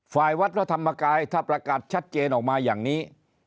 ฝ่ายวัดพระธรรมกายถ้าประกาศชัดเจนออกมาอย่างนี้